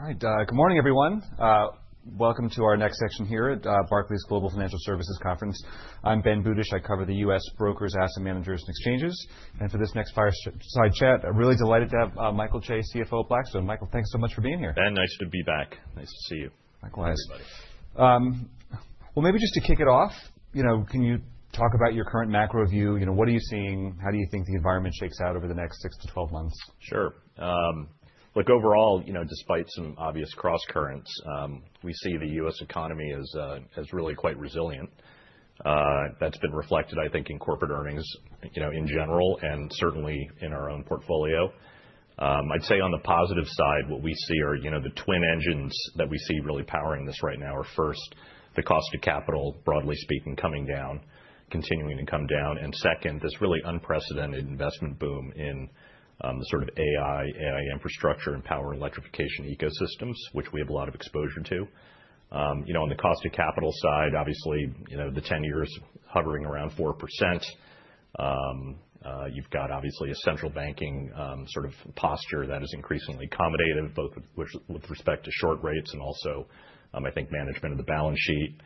All right, good morning, everyone. Welcome to our next section here at Barclays Global Financial Services Conference. I'm Ben Budish. I cover the U.S. brokers, asset managers, and exchanges, and for this next fireside chat, I'm really delighted to have Michael Chae, CFO at Blackstone. Michael, thanks so much for being here. Ben, nice to be back. Nice to see you. Likewise. Thanks, everybody. Maybe just to kick it off, can you talk about your current macro view? What are you seeing? How do you think the environment shakes out over the next six to 12 months? Sure. Look, overall, despite some obvious cross-currents, we see the U.S. economy as really quite resilient. That's been reflected, I think, in corporate earnings in general and certainly in our own portfolio. I'd say on the positive side, what we see are the twin engines that we see really powering this right now are, first, the cost of capital, broadly speaking, coming down, continuing to come down. And second, this really unprecedented investment boom in the sort of AI, AI infrastructure, and power and electrification ecosystems, which we have a lot of exposure to. On the cost of capital side, obviously, the 10-year is hovering around 4%. You've got, obviously, a central banking sort of posture that is increasingly accommodative, both with respect to short rates and also, I think, management of the balance sheet.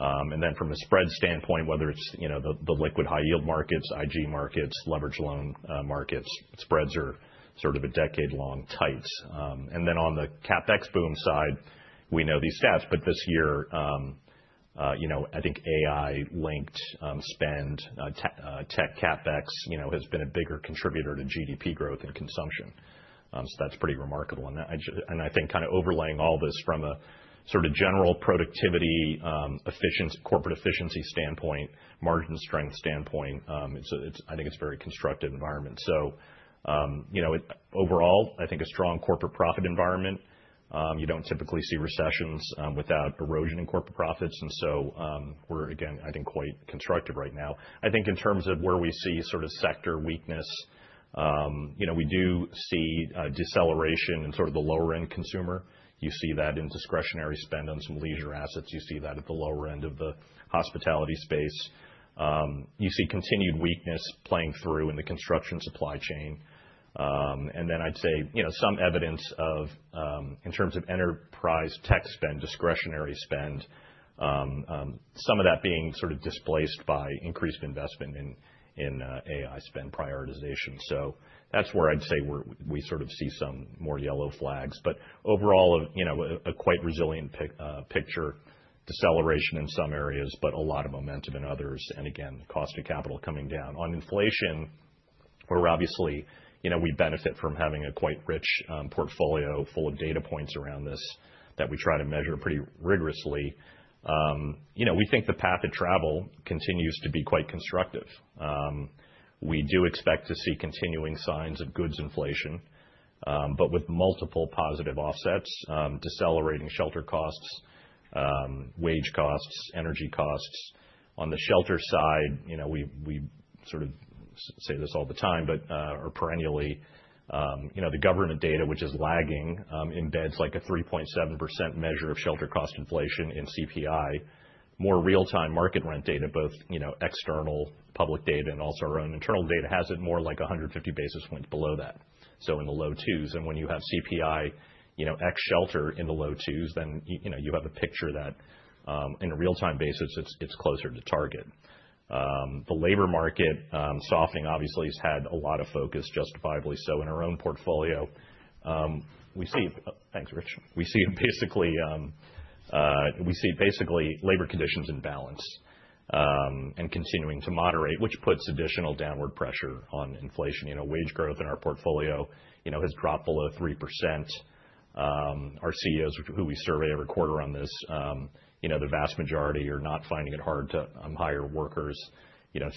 And then from a spread standpoint, whether it's the liquid high-yield markets, IG markets, leveraged loan markets, spreads are sort of a decade-long tight. And then on the CapEx boom side, we know these stats, but this year, I think AI-linked spend, tech CapEx, has been a bigger contributor to GDP growth and consumption. So that's pretty remarkable. And I think kind of overlaying all this from a sort of general productivity, corporate efficiency standpoint, margin strength standpoint, I think it's a very constructive environment. So overall, I think a strong corporate profit environment. You don't typically see recessions without erosion in corporate profits. And so we're, again, I think, quite constructive right now. I think in terms of where we see sort of sector weakness, we do see deceleration in sort of the lower-end consumer. You see that in discretionary spend on some leisure assets. You see that at the lower end of the hospitality space. You see continued weakness playing through in the construction supply chain, and then I'd say some evidence of, in terms of enterprise tech spend, discretionary spend, some of that being sort of displaced by increased investment in AI spend prioritization, so that's where I'd say we sort of see some more yellow flags, but overall, a quite resilient picture, deceleration in some areas, but a lot of momentum in others, and again, the cost of capital coming down. On inflation, where obviously we benefit from having a quite rich portfolio full of data points around this that we try to measure pretty rigorously, we think the path of travel continues to be quite constructive. We do expect to see continuing signs of goods inflation, but with multiple positive offsets: decelerating shelter costs, wage costs, energy costs. On the shelter side, we sort of say this all the time, but perennially, the government data, which is lagging, embeds like a 3.7% measure of shelter cost inflation in CPI. More real-time market rent data, both external public data and also our own internal data, has it more like 150 basis points below that, so in the low twos. And when you have CPI ex-shelter in the low twos, then you have a picture that, in a real-time basis, it's closer to target. The labor market softening, obviously, has had a lot of focus, justifiably so, in our own portfolio. We see basically labor conditions in balance and continuing to moderate, which puts additional downward pressure on inflation. Wage growth in our portfolio has dropped below 3%. Our CEOs, who we survey every quarter on this, the vast majority are not finding it hard to hire workers.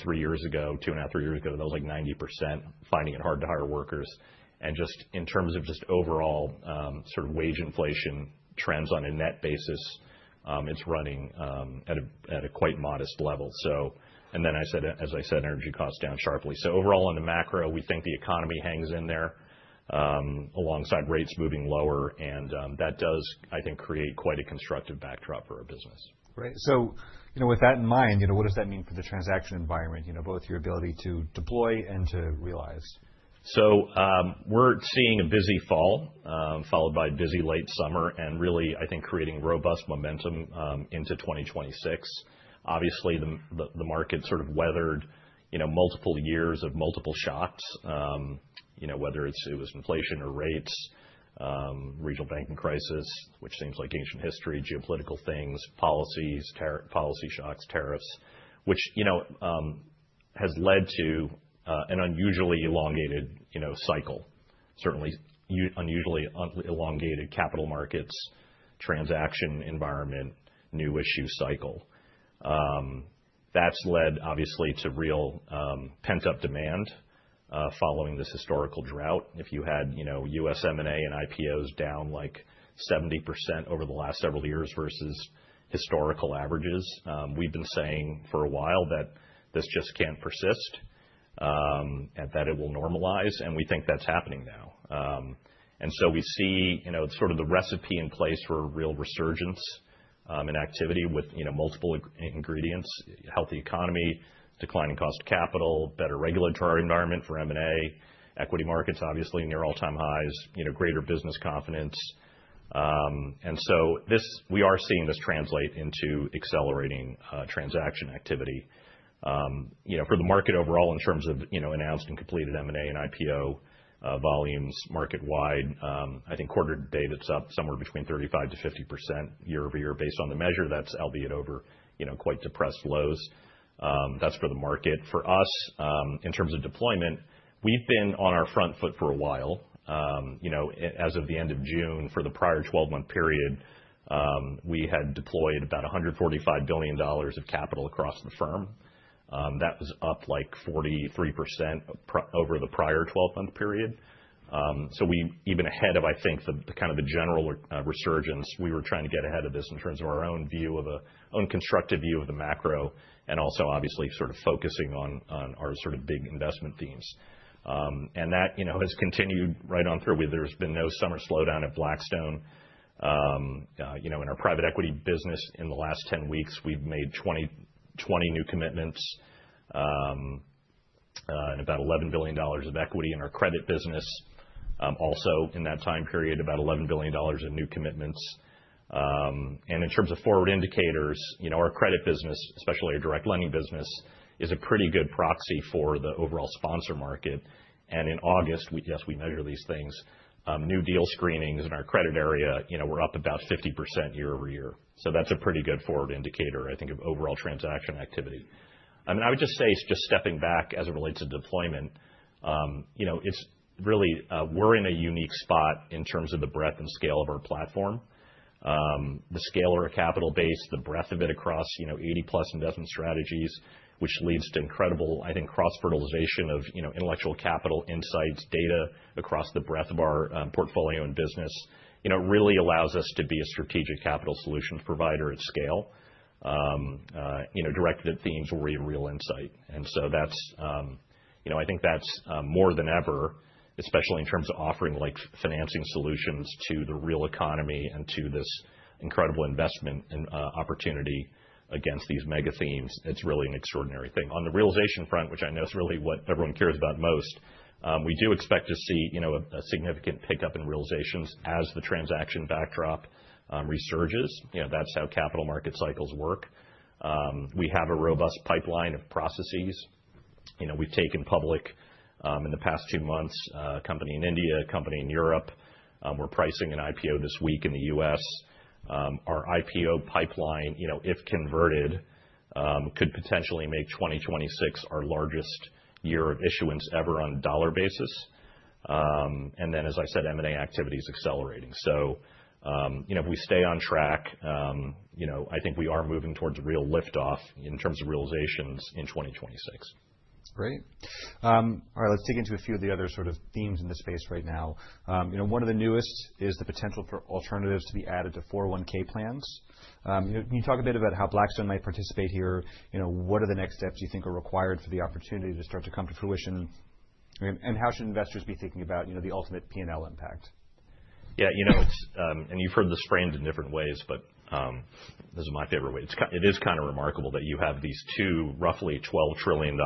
Three years ago, two and a half, three years ago, that was like 90% finding it hard to hire workers. And just in terms of just overall sort of wage inflation trends on a net basis, it's running at a quite modest level. And then, as I said, energy costs down sharply. So overall, on the macro, we think the economy hangs in there alongside rates moving lower. And that does, I think, create quite a constructive backdrop for our business. Right. So with that in mind, what does that mean for the transaction environment, both your ability to deploy and to realize? So we're seeing a busy fall followed by a busy late summer and really, I think, creating robust momentum into 2026. Obviously, the market sort of weathered multiple years of multiple shocks, whether it was inflation or rates, regional banking crisis, which seems like ancient history, geopolitical things, policies, policy shocks, tariffs, which has led to an unusually elongated cycle, certainly unusually elongated capital markets, transaction environment, new issue cycle. That's led, obviously, to real pent-up demand following this historical drought. If you had U.S. M&A and IPOs down like 70% over the last several years versus historical averages, we've been saying for a while that this just can't persist and that it will normalize. And we think that's happening now. And so we see sort of the recipe in place for real resurgence and activity with multiple ingredients: healthy economy, declining cost of capital, better regulatory environment for M&A, equity markets, obviously, near all-time highs, greater business confidence. And so we are seeing this translate into accelerating transaction activity. For the market overall, in terms of announced and completed M&A and IPO volumes marketwide, I think quarter to date, that's up somewhere between 35%-50% year-over-year based on the measure. That's albeit over quite depressed lows. That's for the market. For us, in terms of deployment, we've been on our front foot for a while. As of the end of June, for the prior 12-month period, we had deployed about $145 billion of capital across the firm. That was up like 43% over the prior 12-month period. So, we, even ahead of, I think, the kind of general resurgence, were trying to get ahead of this in terms of our own view of our own constructive view of the macro and also, obviously, sort of focusing on our sort of big investment themes. And that has continued right on through. There's been no summer slowdown at Blackstone. In our private equity business, in the last 10 weeks, we've made 20 new commitments and about $11 billion of equity in our credit business. Also, in that time period, about $11 billion of new commitments. And in terms of forward indicators, our credit business, especially our direct lending business, is a pretty good proxy for the overall sponsor market. And in August, yes, we measure these things. New deal screenings in our credit area, we're up about 50% year-over-year. So that's a pretty good forward indicator, I think, of overall transaction activity. I mean, I would just say it's just stepping back as it relates to deployment. It's really, we're in a unique spot in terms of the breadth and scale of our platform. The scale of our capital base, the breadth of it across 80-plus investment strategies, which leads to incredible, I think, cross-fertilization of intellectual capital, insights, data across the breadth of our portfolio and business, really allows us to be a strategic capital solutions provider at scale, directed at themes where we have real insight. And so I think that's more than ever, especially in terms of offering financing solutions to the real economy and to this incredible investment opportunity against these mega themes. It's really an extraordinary thing. On the realization front, which I know is really what everyone cares about most, we do expect to see a significant pickup in realizations as the transaction backdrop resurges. That's how capital market cycles work. We have a robust pipeline of processes. We've taken public in the past two months, a company in India, a company in Europe. We're pricing an IPO this week in the U.S. Our IPO pipeline, if converted, could potentially make 2026 our largest year of issuance ever on a dollar basis. And then, as I said, M&A activity is accelerating. So if we stay on track, I think we are moving towards a real liftoff in terms of realizations in 2026. Great. All right, let's dig into a few of the other sort of themes in the space right now. One of the newest is the potential for alternatives to be added to 401(k) plans. Can you talk a bit about how Blackstone might participate here? What are the next steps you think are required for the opportunity to start to come to fruition? And how should investors be thinking about the ultimate P&L impact? Yeah. And you've heard this framed in different ways, but this is my favorite way. It is kind of remarkable that you have these two roughly $12 trillion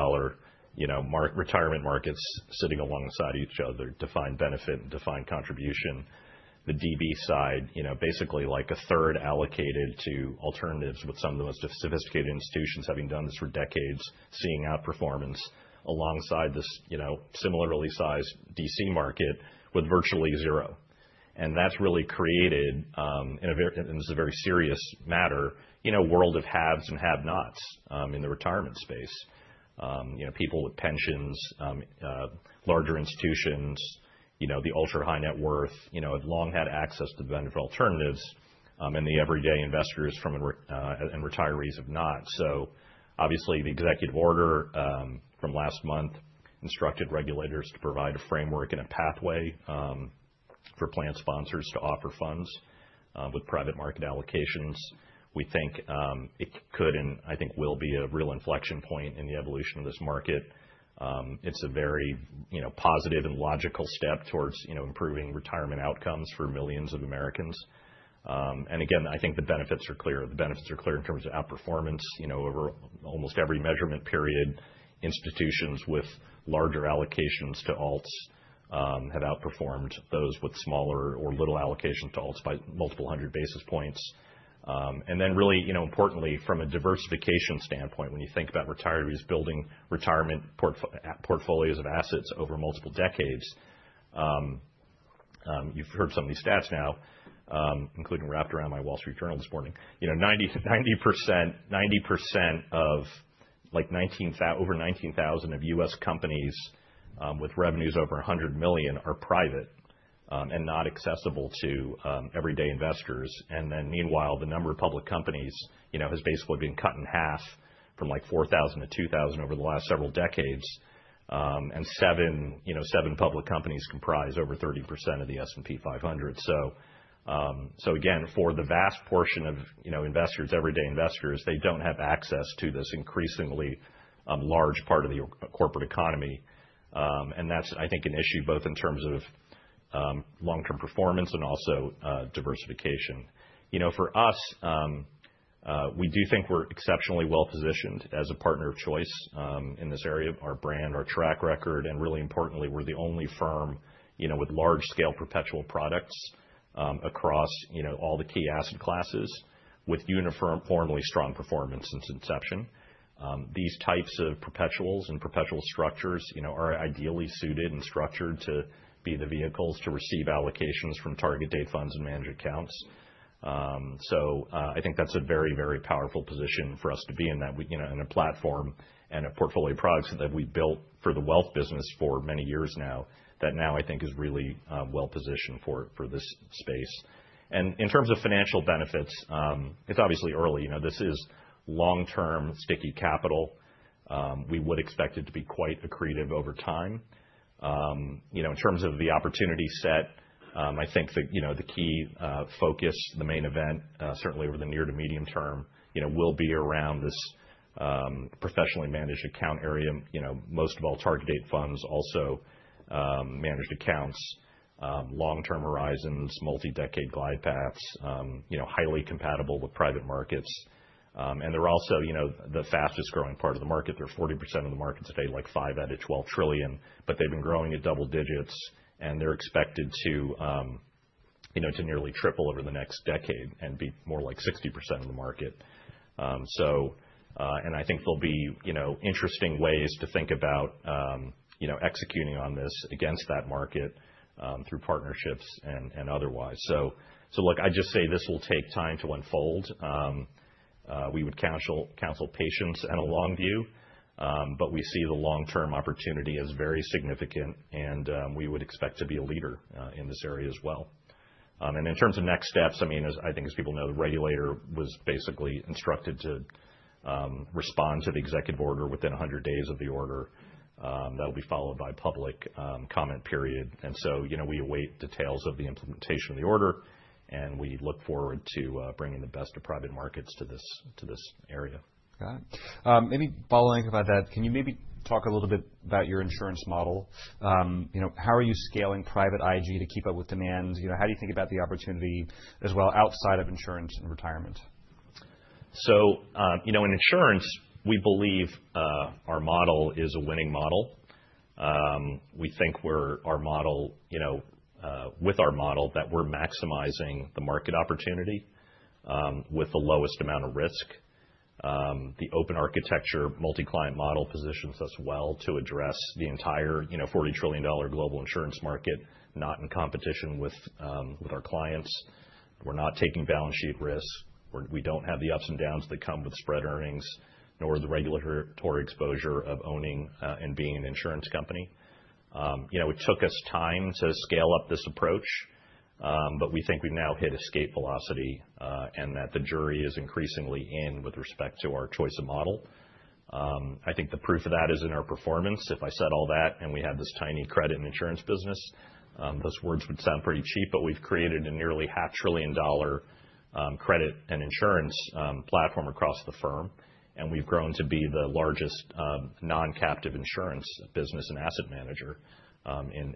retirement markets sitting alongside each other, defined benefit and defined contribution. The DB side, basically like a third allocated to alternatives with some of the most sophisticated institutions having done this for decades, seeing outperformance alongside this similarly sized DC market with virtually zero. And that's really created, and this is a very serious matter, a world of haves and have-nots in the retirement space. People with pensions, larger institutions, the ultra-high net worth have long had access to the benefit of alternatives, and the everyday investors and retirees have not. So obviously, the executive order from last month instructed regulators to provide a framework and a pathway for plan sponsors to offer funds with private market allocations. We think it could and I think will be a real inflection point in the evolution of this market. It's a very positive and logical step towards improving retirement outcomes for millions of Americans. And again, I think the benefits are clear. The benefits are clear in terms of outperformance. Over almost every measurement period, institutions with larger allocations to alts have outperformed those with smaller or little allocation to alts by multiple hundred basis points. And then really importantly, from a diversification standpoint, when you think about retirees building retirement portfolios of assets over multiple decades, you've heard some of these stats now, including wrapped around my Wall Street Journal this morning. 90% of over 19,000 of U.S. companies with revenues over 100 million are private and not accessible to everyday investors. And then meanwhile, the number of public companies has basically been cut in half from like 4,000 to 2,000 over the last several decades. And seven public companies comprise over 30% of the S&P 500. So again, for the vast portion of investors, everyday investors, they don't have access to this increasingly large part of the corporate economy. And that's, I think, an issue both in terms of long-term performance and also diversification. For us, we do think we're exceptionally well-positioned as a partner of choice in this area, our brand, our track record. And really importantly, we're the only firm with large-scale perpetual products across all the key asset classes with uniformly strong performance since inception. These types of perpetuals and perpetual structures are ideally suited and structured to be the vehicles to receive allocations from target date funds and managed accounts. I think that's a very, very powerful position for us to be in that in a platform and a portfolio product that we've built for the wealth business for many years now that now, I think, is really well-positioned for this space. And in terms of financial benefits, it's obviously early. This is long-term sticky capital. We would expect it to be quite accretive over time. In terms of the opportunity set, I think the key focus, the main event, certainly over the near to medium term, will be around this professionally managed account area, most of all target date funds, also managed accounts, long-term horizons, multi-decade glide paths, highly compatible with private markets. And they're also the fastest growing part of the market. They're 40% of the market today, like $5 trillion out of $12 trillion, but they've been growing at double digits. And they're expected to nearly triple over the next decade and be more like 60% of the market. And I think there'll be interesting ways to think about executing on this against that market through partnerships and otherwise. So look, I just say this will take time to unfold. We would counsel patience and a long view, but we see the long-term opportunity as very significant. And we would expect to be a leader in this area as well. And in terms of next steps, I mean, I think, as people know, the regulator was basically instructed to respond to the executive order within 100 days of the order. That will be followed by a public comment period. And so we await details of the implementation of the order. And we look forward to bringing the best of private markets to this area. Got it. Maybe following up about that, can you maybe talk a little bit about your insurance model? How are you scaling private IG to keep up with demand? How do you think about the opportunity as well outside of insurance and retirement? So in insurance, we believe our model is a winning model. We think with our model that we're maximizing the market opportunity with the lowest amount of risk. The open architecture multi-client model positions us well to address the entire $40 trillion global insurance market, not in competition with our clients. We're not taking balance sheet risk. We don't have the ups and downs that come with spread earnings, nor the regulatory exposure of owning and being an insurance company. It took us time to scale up this approach, but we think we've now hit escape velocity and that the jury is increasingly in with respect to our choice of model. I think the proof of that is in our performance. If I said all that and we had this tiny credit and insurance business, those words would sound pretty cheap, but we've created a nearly $500 billion credit and insurance platform across the firm. And we've grown to be the largest non-captive insurance business and asset manager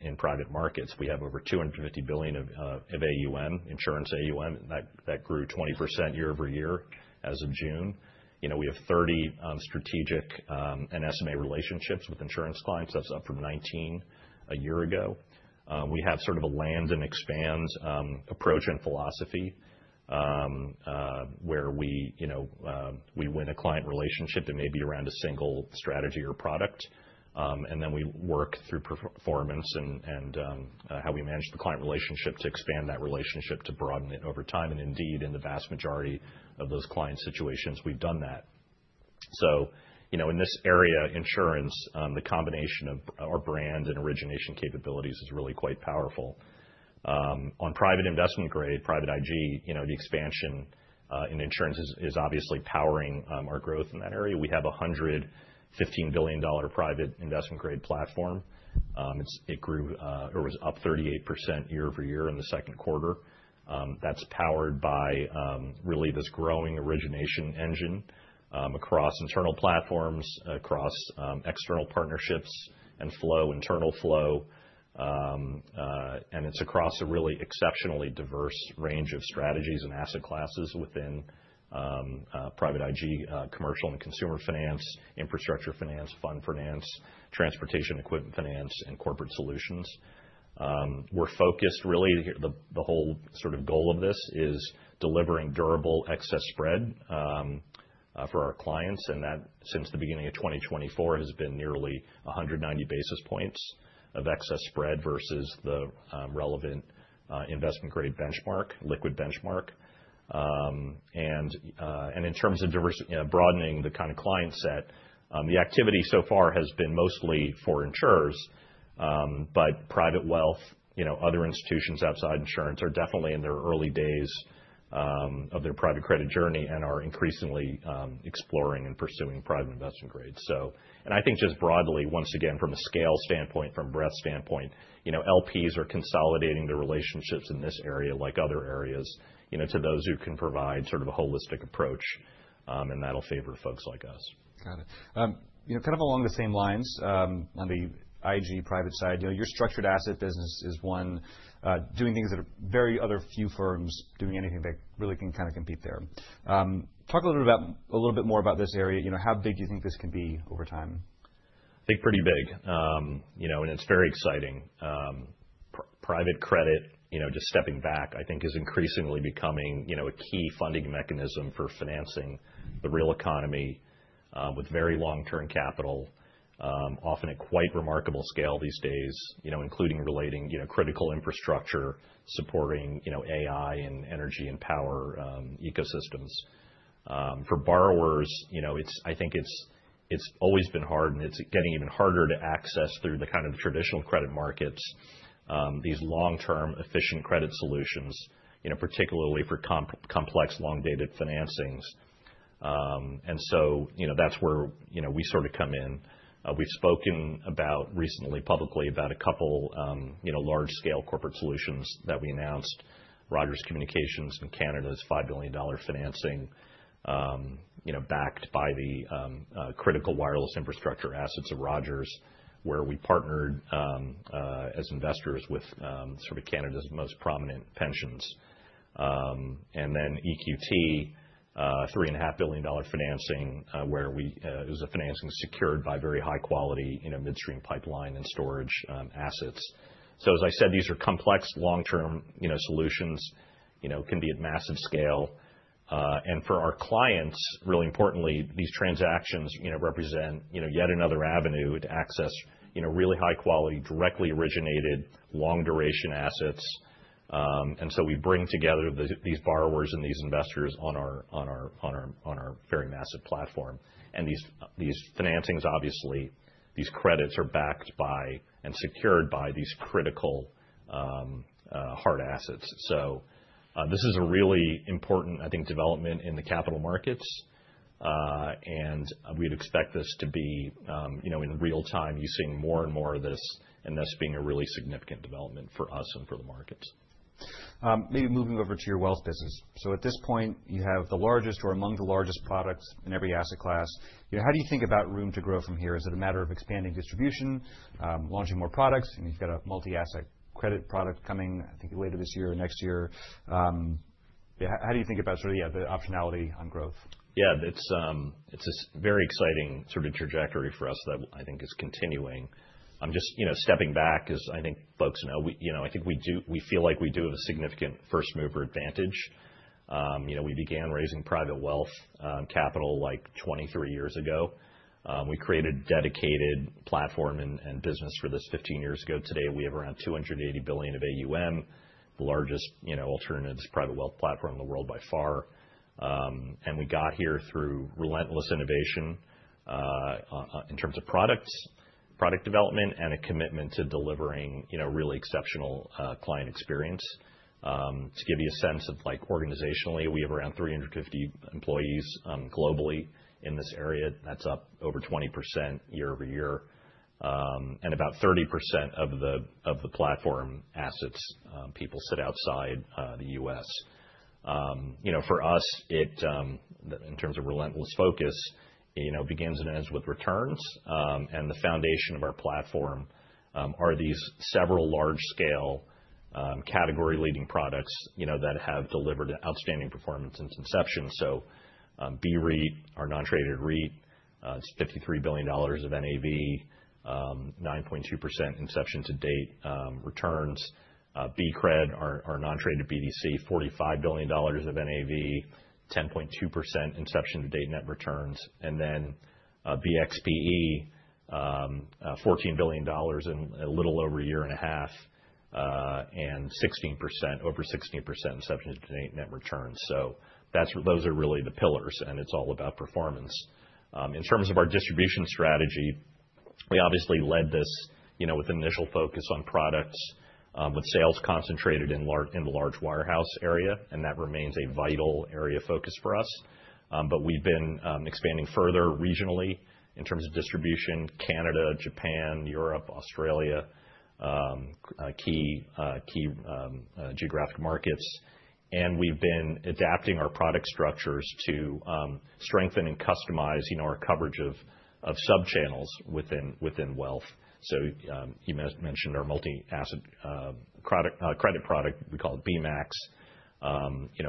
in private markets. We have over $250 billion of AUM, insurance AUM. That grew 20% year-over-year as of June. We have 30 strategic and SMA relationships with insurance clients. That's up from 19 a year ago. We have sort of a land and expand approach and philosophy where we win a client relationship that may be around a single strategy or product. And then we work through performance and how we manage the client relationship to expand that relationship to broaden it over time. And indeed, in the vast majority of those client situations, we've done that. So in this area, insurance, the combination of our brand and origination capabilities is really quite powerful. On private investment grade, private IG, the expansion in insurance is obviously powering our growth in that area. We have a $115 billion private investment grade platform. It grew or was up 38% year-over-year in the second quarter. That's powered by really this growing origination engine across internal platforms, across external partnerships and flow, internal flow. And it's across a really exceptionally diverse range of strategies and asset classes within private IG, commercial and consumer finance, infrastructure finance, fund finance, transportation equipment finance, and corporate solutions. We're focused really, the whole sort of goal of this is delivering durable excess spread for our clients. And that since the beginning of 2024 has been nearly 190 basis points of excess spread versus the relevant investment grade benchmark, liquid benchmark. And in terms of broadening the kind of client set, the activity so far has been mostly for insurers, but private wealth, other institutions outside insurance are definitely in their early days of their private credit journey and are increasingly exploring and pursuing private investment grade. And I think just broadly, once again, from a scale standpoint, from breadth standpoint, LPs are consolidating their relationships in this area like other areas to those who can provide sort of a holistic approach. And that'll favor folks like us. Got it. Kind of along the same lines on the IG private side, your structured asset business is one of the very few firms doing anything that really can kind of compete there. Talk a little bit more about this area. How big do you think this can be over time? I think pretty big. And it's very exciting. Private credit, just stepping back, I think is increasingly becoming a key funding mechanism for financing the real economy with very long-term capital, often at quite remarkable scale these days, including relating critical infrastructure, supporting AI and energy and power ecosystems. For borrowers, I think it's always been hard and it's getting even harder to access through the kind of traditional credit markets these long-term efficient credit solutions, particularly for complex, long-dated financings. And so that's where we sort of come in. We've spoken about recently publicly about a couple large-scale corporate solutions that we announced, Rogers Communications in Canada's 5 billion dollar financing backed by the critical wireless infrastructure assets of Rogers, where we partnered as investors with sort of Canada's most prominent pensions. And then EQT $3.5 billion financing, where it was a financing secured by very high-quality midstream pipeline and storage assets. So as I said, these are complex, long-term solutions, can be at massive scale. And for our clients, really importantly, these transactions represent yet another avenue to access really high-quality, directly originated, long-duration assets. And so we bring together these borrowers and these investors on our very massive platform. And these financings, obviously, these credits are backed by and secured by these critical hard assets. So this is a really important, I think, development in the capital markets. And we'd expect this to be in real time, you seeing more and more of this and this being a really significant development for us and for the markets. Maybe moving over to your wealth business. So at this point, you have the largest or among the largest products in every asset class. How do you think about room to grow from here? Is it a matter of expanding distribution, launching more products? You've got a multi-asset credit product coming, I think, later this year or next year. How do you think about sort of the optionality on growth? Yeah, it's a very exciting sort of trajectory for us that I think is continuing. Just stepping back, as I think folks know, I think we feel like we do have a significant first mover advantage. We began raising private wealth capital like 23 years ago. We created a dedicated platform and business for this 15 years ago. Today, we have around $280 billion of AUM, the largest alternative private wealth platform in the world by far, and we got here through relentless innovation in terms of products, product development, and a commitment to delivering really exceptional client experience. To give you a sense of organizationally, we have around 350 employees globally in this area. That's up over 20% year-over-year, and about 30% of the platform assets people sit outside the U.S. For us, in terms of relentless focus, it begins and ends with returns. And the foundation of our platform are these several large-scale category-leading products that have delivered outstanding performance since inception. So BREIT, our non-traded REIT, it's $53 billion of NAV, 9.2% inception to date returns. BCRED, our non-traded BDC, $45 billion of NAV, 10.2% inception to date net returns. And then BXPE, $14 billion in a little over a year and a half and over 16% inception to date net returns. So those are really the pillars. And it's all about performance. In terms of our distribution strategy, we obviously led this with an initial focus on products with sales concentrated in the large wirehouse area. And that remains a vital area of focus for us. But we've been expanding further regionally in terms of distribution, Canada, Japan, Europe, Australia, key geographic markets. And we've been adapting our product structures to strengthen and customize our coverage of sub-channels within wealth. So you mentioned our multi-asset credit product. We call it BMACX.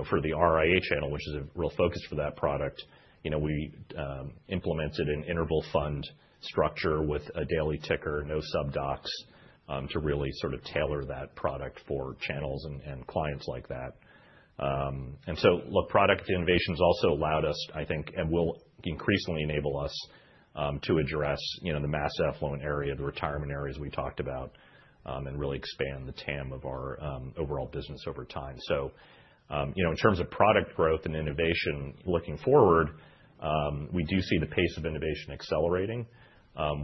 For the RIA channel, which is a real focus for that product, we implemented an interval fund structure with a daily ticker, no subdocs to really sort of tailor that product for channels and clients like that. And so look, product innovation has also allowed us, I think, and will increasingly enable us to address the mass affluent area, the retirement areas we talked about, and really expand the TAM of our overall business over time. So in terms of product growth and innovation looking forward, we do see the pace of innovation accelerating.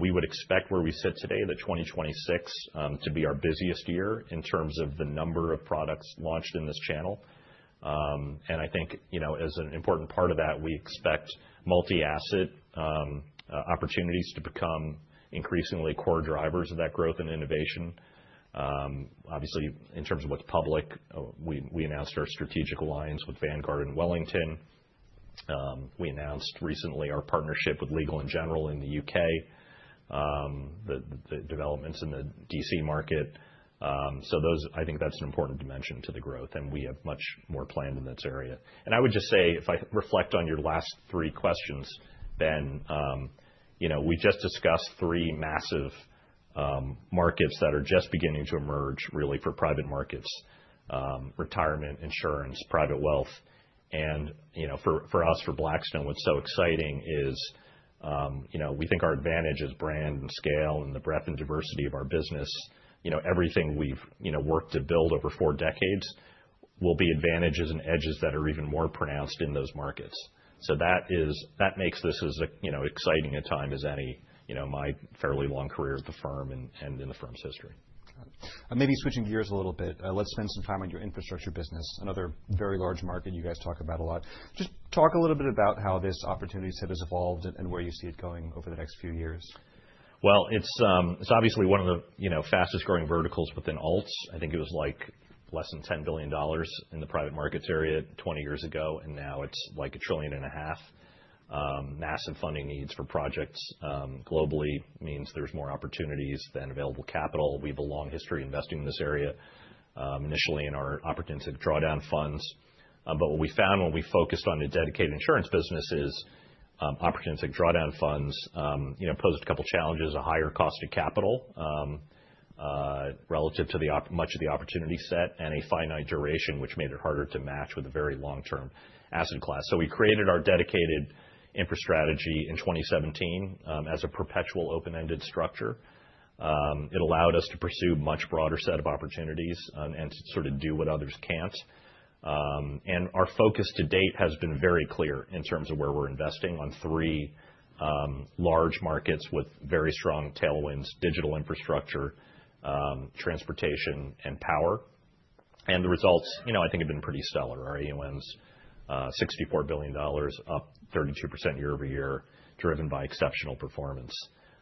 We would expect where we sit today, the 2026, to be our busiest year in terms of the number of products launched in this channel. I think as an important part of that, we expect multi-asset opportunities to become increasingly core drivers of that growth and innovation. Obviously, in terms of what's public, we announced our strategic alliance with Vanguard and Wellington. We announced recently our partnership with Legal & General in the UK, the developments in the DC market. So I think that's an important dimension to the growth. And we have much more planned in this area. And I would just say, if I reflect on your last three questions, Ben, we just discussed three massive markets that are just beginning to emerge really for private markets: retirement, insurance, private wealth. And for us, for Blackstone, what's so exciting is we think our advantage is brand and scale and the breadth and diversity of our business. Everything we've worked to build over four decades will be advantages and edges that are even more pronounced in those markets, so that makes this as exciting a time as any in my fairly long career at the firm and in the firm's history. Maybe switching gears a little bit, let's spend some time on your infrastructure business, another very large market you guys talk about a lot. Just talk a little bit about how this opportunity set has evolved and where you see it going over the next few years. It's obviously one of the fastest growing verticals within alts. I think it was like less than $10 billion in the private markets area 20 years ago, and now it's like $1.5 trillion. Massive funding needs for projects globally means there's more opportunities than available capital. We have a long history investing in this area, initially in our opportunistic drawdown funds. But what we found when we focused on the dedicated insurance business is opportunistic drawdown funds posed a couple of challenges: a higher cost of capital relative to much of the opportunity set and a finite duration, which made it harder to match with a very long-term asset class, so we created our dedicated infrastructure strategy in 2017 as a perpetual open-ended structure. It allowed us to pursue a much broader set of opportunities and to sort of do what others can't. Our focus to date has been very clear in terms of where we're investing on three large markets with very strong tailwinds: digital infrastructure, transportation, and power. The results, I think, have been pretty stellar. Our AUMs, $64 billion, up 32% year-over-year, driven by exceptional performance.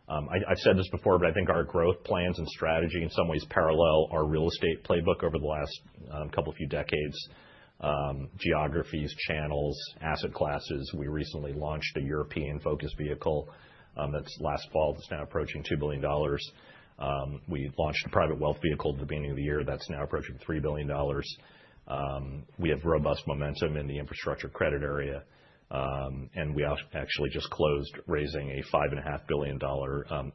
I've said this before, but I think our growth plans and strategy in some ways parallel our real estate playbook over the last couple of few decades: geographies, channels, asset classes. We recently launched a European-focused vehicle that's last fall, that's now approaching $2 billion. We launched a private wealth vehicle at the beginning of the year that's now approaching $3 billion. We have robust momentum in the infrastructure credit area. We actually just closed raising a $5.5 billion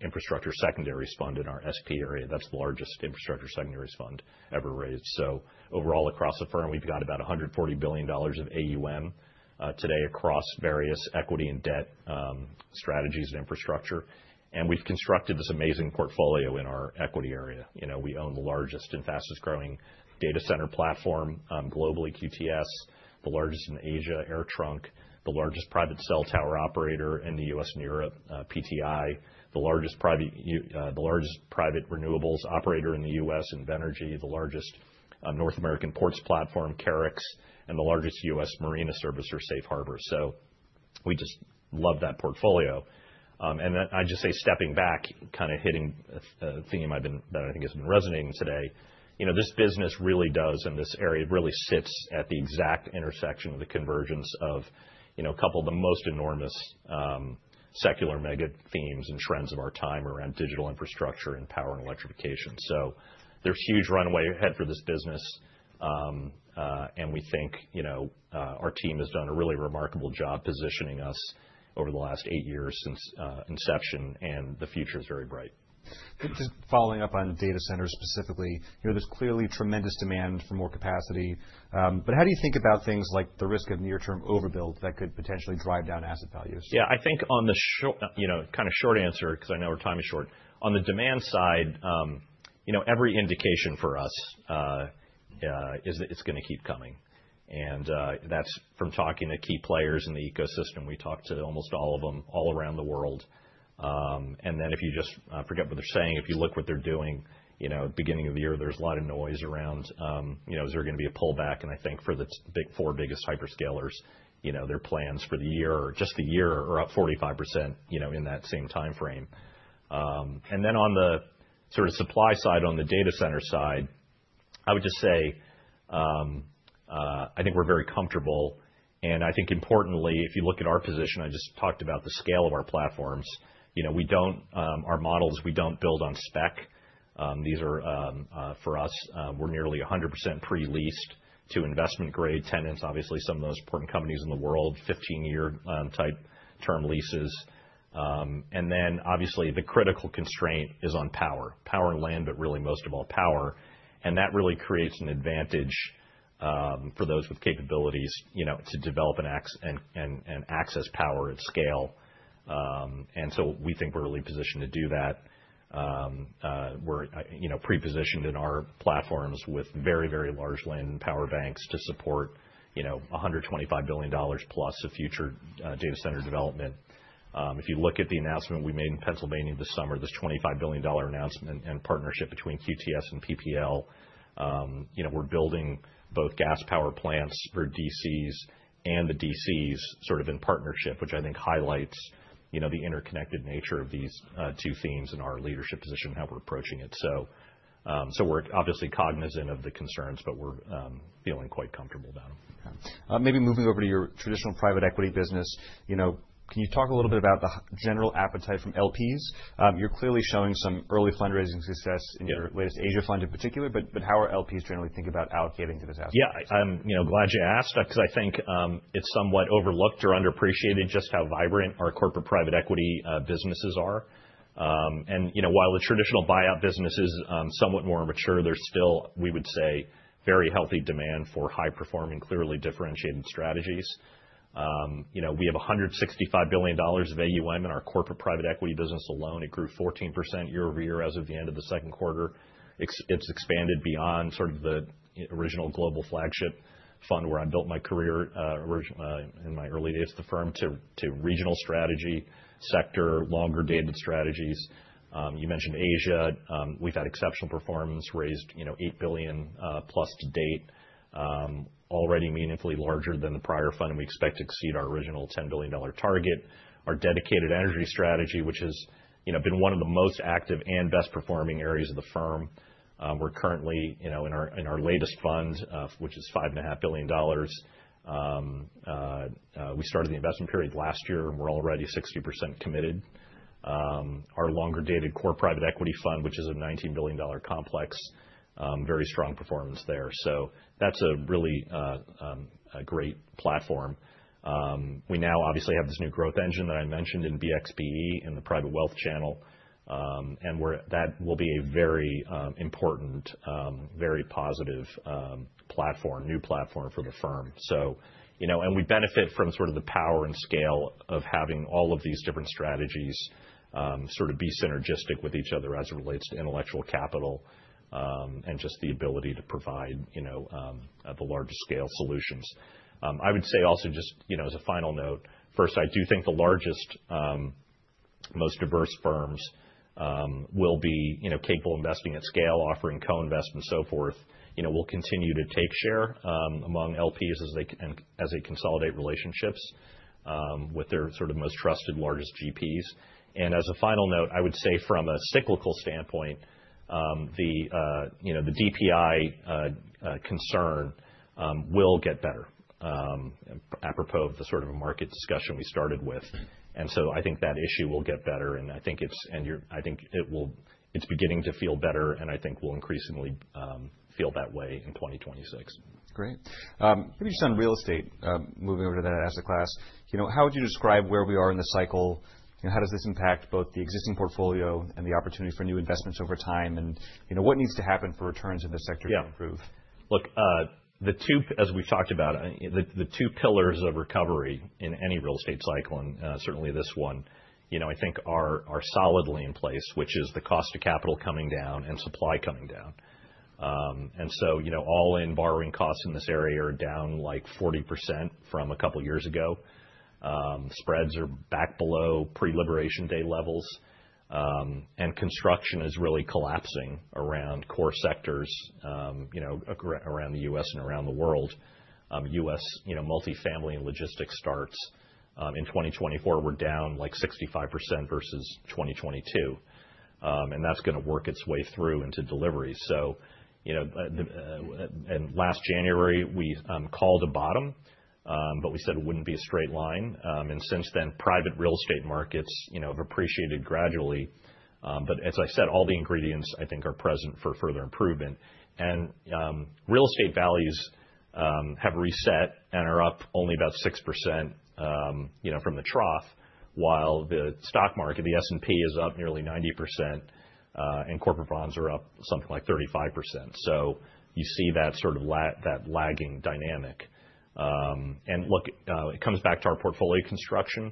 infrastructure secondaries fund in our SP area. That's the largest infrastructure secondaries fund ever raised. So overall across the firm, we've got about $140 billion of AUM today across various equity and debt strategies and infrastructure. And we've constructed this amazing portfolio in our equity area. We own the largest and fastest growing data center platform globally, QTS, the largest in Asia, AirTrunk, the largest private cell tower operator in the U.S. and Europe, PTI, the largest private renewables operator in the U.S., and Invenergy, the largest North American ports platform, Carrix, and the largest U.S. marina servicer, Safe Harbor. So we just love that portfolio. And I'd just say stepping back, kind of hitting a theme that I think has been resonating today, this business really does, and this area really sits at the exact intersection of the convergence of a couple of the most enormous secular megathemes and trends of our time around digital infrastructure and power and electrification. So there's huge runway ahead for this business. And we think our team has done a really remarkable job positioning us over the last eight years since inception. And the future is very bright. Just following up on data centers specifically, there's clearly tremendous demand for more capacity. But how do you think about things like the risk of near-term overbuild that could potentially drive down asset values? Yeah, I think on the kind of short answer, because I know our time is short, on the demand side, every indication for us is that it's going to keep coming. And that's from talking to key players in the ecosystem. We talked to almost all of them all around the world. And then if you just forget what they're saying, if you look at what they're doing, at the beginning of the year, there's a lot of noise around, is there going to be a pullback? And I think for the four biggest hyperscalers, their plans for the year, just the year, are up 45% in that same time frame. And then on the sort of supply side, on the data center side, I would just say I think we're very comfortable. And I think importantly, if you look at our position, I just talked about the scale of our platforms. Our models, we don't build on spec. For us, we're nearly 100% pre-leased to investment-grade tenants, obviously some of the most important companies in the world, 15-year type term leases. And then obviously, the critical constraint is on power, power and land, but really most of all power. And that really creates an advantage for those with capabilities to develop and access power at scale. And so we think we're really positioned to do that. We're pre-positioned in our platforms with very, very large land and power banks to support $125 billion plus of future data center development. If you look at the announcement we made in Pennsylvania this summer, this $25 billion announcement and partnership between QTS and PPL, we're building both gas power plants for DCs and the DCs sort of in partnership, which I think highlights the interconnected nature of these two themes and our leadership position and how we're approaching it. So we're obviously cognizant of the concerns, but we're feeling quite comfortable about them. Maybe moving over to your traditional private equity business, can you talk a little bit about the general appetite from LPs? You're clearly showing some early fundraising success in your latest Asia fund in particular. But how are LPs generally thinking about allocating to this asset? Yeah, I'm glad you asked, because I think it's somewhat overlooked or underappreciated just how vibrant our corporate private equity businesses are. And while the traditional buyout business is somewhat more mature, there's still, we would say, very healthy demand for high-performing, clearly differentiated strategies. We have $165 billion of AUM in our corporate private equity business alone. It grew 14% year-over-year as of the end of the second quarter. It's expanded beyond sort of the original global flagship fund where I built my career in my early days at the firm to regional strategy sector, longer-dated strategies. You mentioned Asia. We've had exceptional performance, raised $8 billion plus to date, already meaningfully larger than the prior fund. And we expect to exceed our original $10 billion target. Our dedicated energy strategy, which has been one of the most active and best performing areas of the firm. We're currently in our latest fund, which is $5.5 billion. We started the investment period last year, and we're already 60% committed. Our longer-dated core private equity fund, which is a $19 billion complex, very strong performance there. So that's a really great platform. We now obviously have this new growth engine that I mentioned in BXPE in the private wealth channel. And that will be a very important, very positive platform, new platform for the firm. And we benefit from sort of the power and scale of having all of these different strategies sort of be synergistic with each other as it relates to intellectual capital and just the ability to provide the largest scale solutions. I would say also just as a final note, first, I do think the largest, most diverse firms will be capable of investing at scale, offering co-invest and so forth. We'll continue to take share among LPs as they consolidate relationships with their sort of most trusted largest GPs, and as a final note, I would say from a cyclical standpoint, the DPI concern will get better apropos of the sort of market discussion we started with, and so I think that issue will get better. And I think it's beginning to feel better, and I think we'll increasingly feel that way in 2026. Great. Maybe just on real estate, moving over to that asset class, how would you describe where we are in the cycle? How does this impact both the existing portfolio and the opportunity for new investments over time? And what needs to happen for returns in this sector to improve? Yeah. Look, as we've talked about, the two pillars of recovery in any real estate cycle, and certainly this one, I think are solidly in place, which is the cost of capital coming down and supply coming down. And so all-in borrowing costs in this area are down like 40% from a couple of years ago. Spreads are back below pre-liberation day levels. And construction is really collapsing around core sectors around the U.S. and around the world. U.S. multifamily and logistics starts in 2024 were down like 65% versus 2022. And that's going to work its way through into delivery. And last January, we called a bottom, but we said it wouldn't be a straight line. And since then, private real estate markets have appreciated gradually. But as I said, all the ingredients I think are present for further improvement. Real estate values have reset and are up only about 6% from the trough, while the stock market, the S&P, is up nearly 90%. Corporate bonds are up something like 35%. So you see that sort of lagging dynamic. Look, it comes back to our portfolio construction,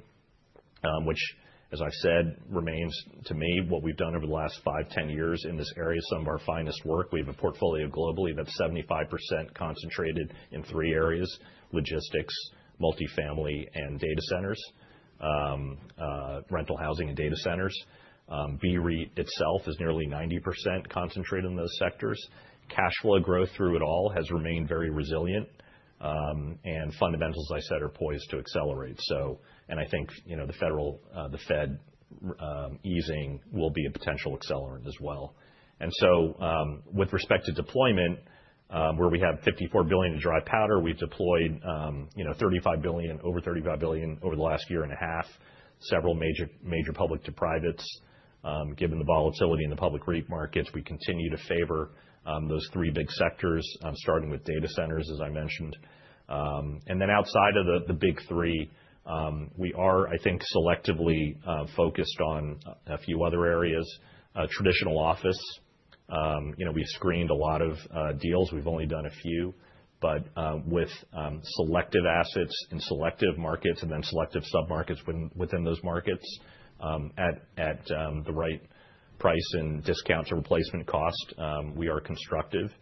which, as I've said, remains to me what we've done over the last five, 10 years in this area, some of our finest work. We have a portfolio globally that's 75% concentrated in three areas: logistics, multifamily, and data centers, rental housing and data centers. BREIT itself is nearly 90% concentrated in those sectors. Cash flow growth through it all has remained very resilient. Fundamentals, as I said, are poised to accelerate. I think the Fed easing will be a potential accelerant as well. And so with respect to deployment, where we have $54 billion to dry powder, we've deployed over $35 billion over the last year and a half, several major public to privates. Given the volatility in the public REIT markets, we continue to favor those three big sectors, starting with data centers, as I mentioned. And then outside of the big three, we are, I think, selectively focused on a few other areas: traditional office. We've screened a lot of deals. We've only done a few. But with selective assets in selective markets and then selective sub-markets within those markets at the right price and discounts or replacement cost, we are constructive.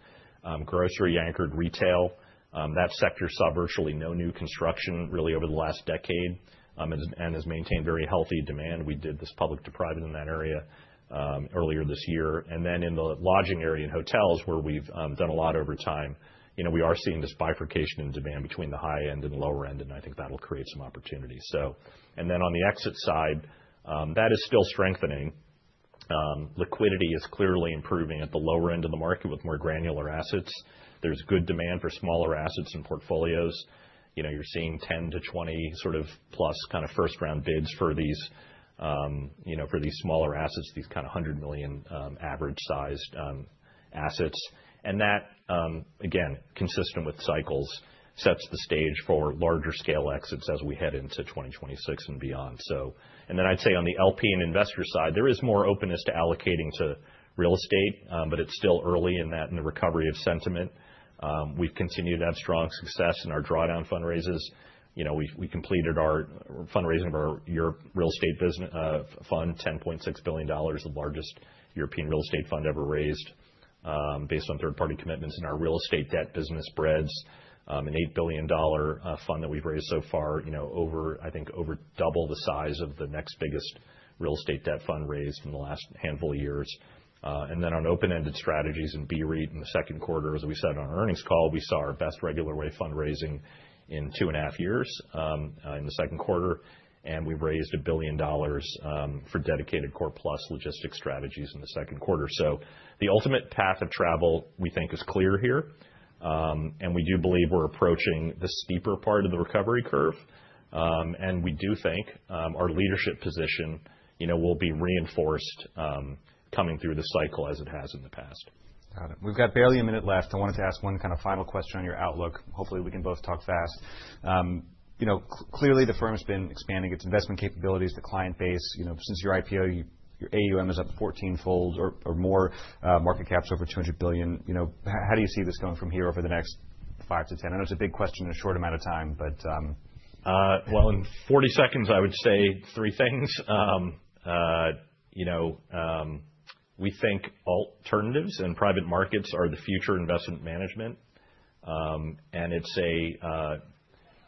Grocery-anchored retail, that sector saw virtually no new construction really over the last decade and has maintained very healthy demand. We did this public to private in that area earlier this year. And then in the lodging area and hotels, where we've done a lot over time, we are seeing this bifurcation in demand between the high end and the lower end. And I think that'll create some opportunity. And then on the exit side, that is still strengthening. Liquidity is clearly improving at the lower end of the market with more granular assets. There's good demand for smaller assets and portfolios. You're seeing 10-20 sort of plus kind of first round bids for these smaller assets, these kind of 100 million average sized assets. And that, again, consistent with cycles, sets the stage for larger scale exits as we head into 2026 and beyond. And then I'd say on the LP and investor side, there is more openness to allocating to Real Estate, but it's still early in the recovery of sentiment. We've continued to have strong success in our drawdown fundraisers. We completed our fundraising of our Real Estate fund, $10.6 billion, the largest European Real Estate fund ever raised based on third-party commitments in our Real Estate debt business, BREDS, an $8 billion fund that we've raised so far. I think over double the size of the next biggest Real Estate debt fund raised in the last handful of years. And then on open-ended strategies and BREIT in the second quarter, as we said on our earnings call, we saw our best regular-way fundraising in two and a half years in the second quarter. And we raised $1 billion for dedicated core plus logistics strategies in the second quarter. So the ultimate path of travel, we think, is clear here. And we do believe we're approaching the steeper part of the recovery curve. We do think our leadership position will be reinforced coming through the cycle as it has in the past. Got it. We've got barely a minute left. I wanted to ask one kind of final question on your outlook. Hopefully, we can both talk fast. Clearly, the firm has been expanding its investment capabilities, the client base. Since your IPO, your AUM is up 14-fold or more, market cap's over $200 billion. How do you see this going from here over the next 5 to 10? I know it's a big question in a short amount of time, but. In 40 seconds, I would say three things. We think alternatives and private markets are the future investment management. And it's a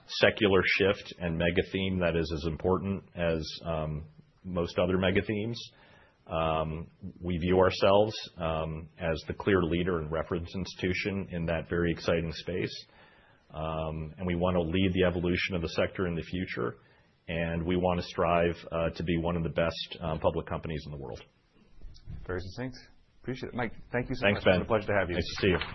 secular shift and mega theme that is as important as most other mega themes. We view ourselves as the clear leader and reference institution in that very exciting space. And we want to lead the evolution of the sector in the future. And we want to strive to be one of the best public companies in the world. Very succinct. Appreciate it. Mike, thank you so much. Thanks, Ben. It's a pleasure to have you. Nice to see you.